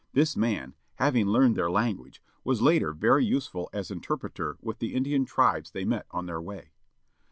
This man, having learned their language, was later very useful as interpreter with the Indian tribes they met on their way.